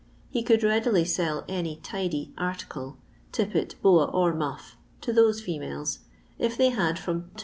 He could readily sell toy " tidy" article, tippet, boa, or muff, to those females, if they had from 2s.